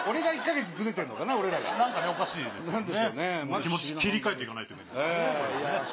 気持ち切り替えていかないといけないですね。